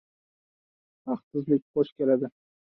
• Baxtsizlik qo‘sh keladi.